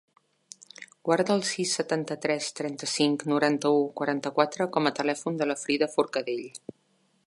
Guarda el sis, setanta-tres, trenta-cinc, noranta-u, quaranta-quatre com a telèfon de la Frida Forcadell.